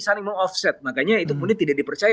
saling meng offset makanya itu kemudian tidak dipercaya